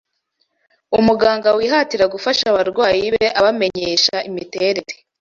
Umuganga wihatira gufasha abarwayi be abamenyesha imiterere